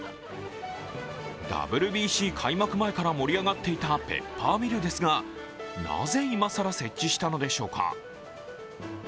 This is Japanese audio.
ＷＢＣ開幕前から盛り上がっていたペッパーミルですがなぜ今更設置したのでしょうか。